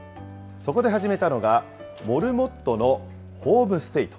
そこで始めたのが、モルモットのホームステイと。